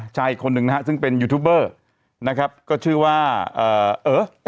ชายอีกคนนึงนะฮะซึ่งเป็นยูทูบเบอร์นะครับก็ชื่อว่าเอ่อเออ